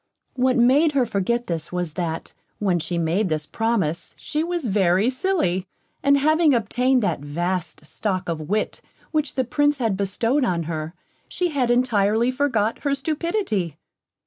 What made her forget this was that, when she made this promise, she was very silly, and having obtained that vast stock of wit which the Prince had bestowed on her, she had intirely forgot her stupidity.